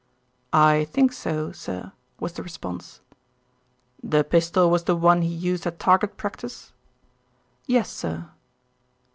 "I think so, sir," was the response. "The pistol was the one he used at target practice?" "Yes, sir."